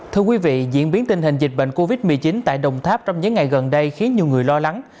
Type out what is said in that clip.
thưa quý vị diễn biến tình hình dịch bệnh covid một mươi chín tại đồng tháp trong những ngày gần đây khiến nhiều người lo lắng